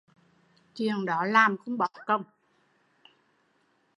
Chuyện đó làm không bỏ công